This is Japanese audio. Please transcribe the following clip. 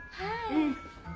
うん。